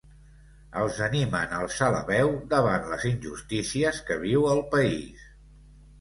Els animen a alçar la veu davant les injustícies que viu el país.